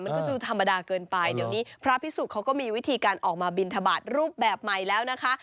มันก็จะธรรมดาเกินไปเดี๋ยวนี้พระพิสุกเขาก็มีวิธีการออกมาบินทบาทรูปแบบใหม่แล้วนะคะ